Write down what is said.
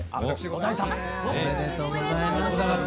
おめでとうございます。